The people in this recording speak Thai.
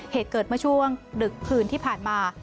เหตุเกิดเมื่อช่วงดึกคืนที่ผ่านมา